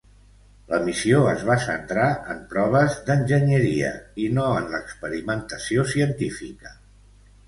La missió es va centrar en proves d'enginyeria i no en l'experimentació científica.